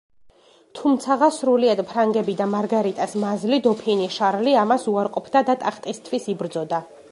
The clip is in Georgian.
თუმცაღა სრულიად ფრანგები და მარგარიტას მაზლი, დოფინი შარლი ამას უარყოფდა და ტახტისთვის იბრძოდა.